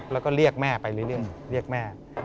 แล้วก็เรียกแม่ไปเรื่อยเรียกแม่